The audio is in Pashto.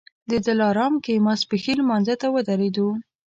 د دلارام کې ماسپښین لمانځه ته ودرېدو.